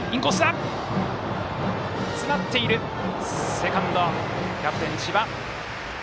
セカンドキャプテン、千葉。